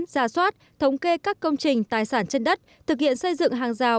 ra soát thống kê các công trình tài sản trên đất thực hiện xây dựng hàng rào